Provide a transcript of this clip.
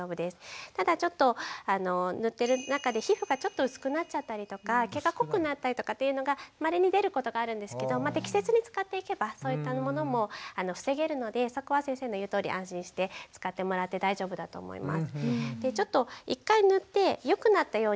ただちょっと塗ってる中で皮膚がちょっと薄くなっちゃったりとか毛が濃くなったりとかっていうのがまれに出ることがあるんですけど適切に使っていけばそういったものも防げるのでそこは先生の言うとおり安心して使ってもらって大丈夫だと思います。